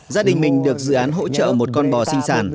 gia đình mình được dự án hỗ trợ một con bò sinh sản